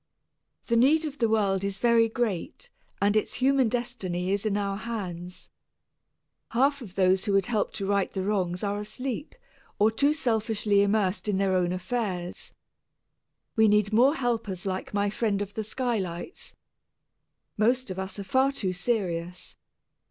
The need of the world is very great and its human destiny is in our hands. Half of those who could help to right the wrongs are asleep or too selfishly immersed in their own affairs. We need more helpers like my friend of the skylights. Most of us are far too serious.